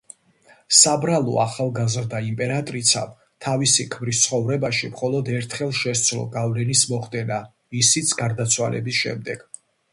საბრალო ახალგაზრდა იმპერატრიცამ თავისი ქმრის ცხოვრებაში მხოლოდ ერთხელ შესძლო გავლენის მოხდენა, ისიც გარდაცვალების შემდეგ.